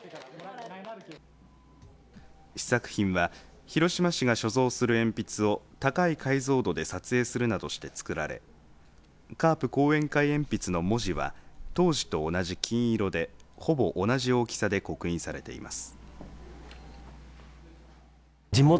試作品は広島市が所蔵する鉛筆を高い解像度で撮影するなどして作られカープ後援會鉛筆の文字は当時と同じ金色でほぼ同じ大きさで刻印されています。